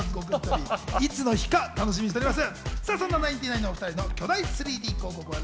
いつの日か楽しみにしております。